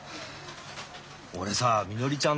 俺さみのりちゃん